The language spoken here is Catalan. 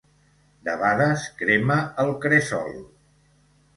Debades crema el cresol.